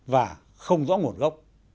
và không rõ nguồn gốc